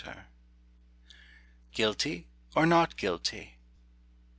GUILTY, OR NOT GUILTY?